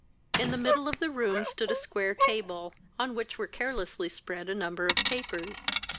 In the middle of the room stood a square table, on which were carelessly spread a number of papers.